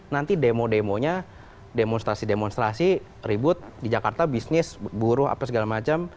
nanti demo demonya demonstrasi demonstrasi ribut di jakarta bisnis buruh apa segala macam